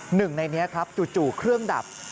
หนึ่งในนี้ครับจู่เครื่องดับ